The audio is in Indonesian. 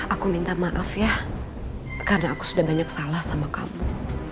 aku minta maaf ya karena aku sudah banyak salah sama kamu